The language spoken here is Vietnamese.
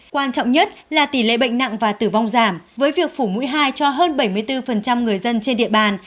quan trọng nhất là tỷ lệ bệnh nặng và tử vong giảm với việc phủ mũi hai cho hơn bảy mươi bốn người dân trên địa bàn